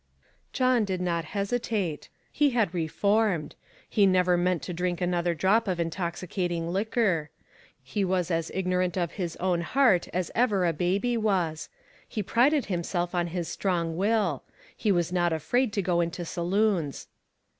John did not hesitate. He had reformed. He never meant to drink another drop of intoxicating liquor. He was as ignorant of his own heart as ever a baby was. He prided himself on his strong will. He was not afraid to go into saloons.